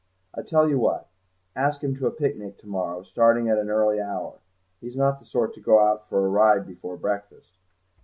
I tell you what: ask him to a picnic to morrow, starting at an early hour; he's not the sort to go out for a ride before breakfast.